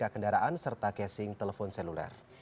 tiga kendaraan serta casing telepon seluler